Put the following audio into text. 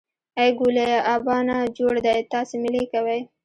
ای ګوليه ابا نا جوړه دی تاسې مېلې کوئ.